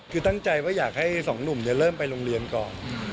คือตั้งใจว่าอยากให้สองหนุ่มเริ่มไปโรงเรียนก่อน